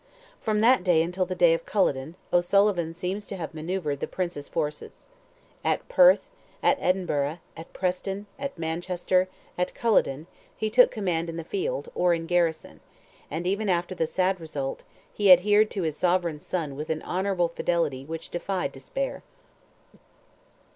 From that day until the day of Culloden, O'Sullivan seems to have manoeuvred the prince's forces. At Perth, at Edinburgh, at Preston, at Manchester, at Culloden, he took command in the field, or in garrison; and even after the sad result, he adhered to his sovereign's son with an honourable fidelity which defied despair.